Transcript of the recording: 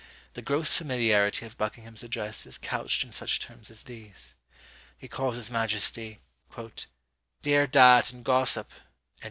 The gross familiarity of Buckingham's address is couched in such terms as these: he calls his majesty "Dere dad and Gossope!"